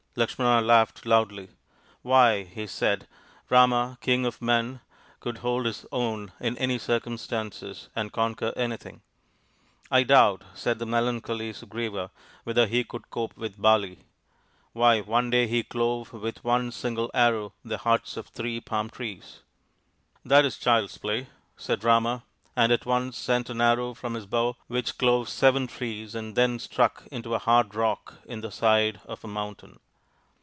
Lakshmana laughed loudly. ;< Why," he said, " Rama, King of Men, could hold his own in any circumstances and conquer anything !"" I doubt," said the melancholy Sugriva, " whether 30 THE INDIAN STORY BOOK he could cope with Bali. Why, one day he clove with one single arrow the hearts of three palm trees." " That is child's play," said Rama, and at once sent an arrow from his bow which clove seven trees and then stuck into a hard rock in the side of a mountain.